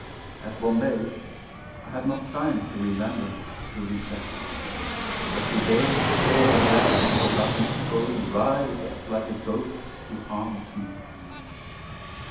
At Bombay I had not time to remember or to regret; but to day the whole dead and forgotten story rises up like a ghost to haunt me.